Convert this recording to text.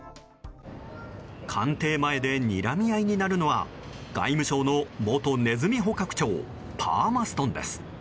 官邸前で、にらみ合いになるのは外務省の元ネズミ捕獲長パーマストンです。